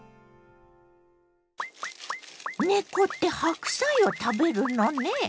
猫って白菜を食べるのね。